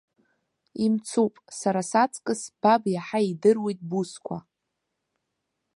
Имцуп, сара саҵкыс баб иаҳа идыруеит бусқәа.